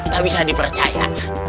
tak bisa dipercaya